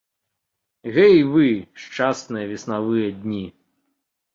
Гэй вы, шчасныя веснавыя дні!